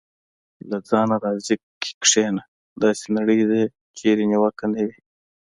له ځانه راضي کېدنه: داسې نړۍ ده چېرې نیوکه نه وي.